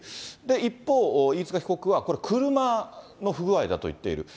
一方、飯塚被告はこれ、車の不具合だと言っている。